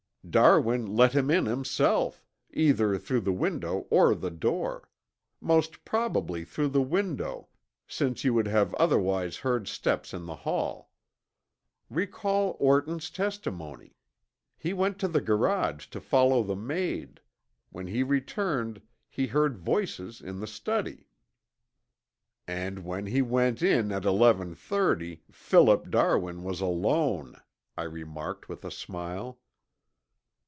"Darwin let him in himself, either through the window or the door. Most probably through the window, since you would have otherwise heard steps in the hall. Recall Orton's testimony. He went to the garage to follow the maid. When he returned he heard voices in the study." "And when he went in at eleven thirty, Philip Darwin was alone," I remarked with a smile.